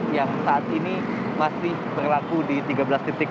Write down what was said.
yang saat ini masih berlaku di tiga belas titik